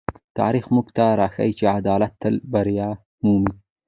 تاریخ موږ ته راښيي چې عدالت تل بریا مومي.